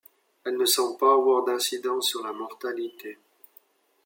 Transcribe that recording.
Elle ne semble pas avoir d'incidence sur la mortalité.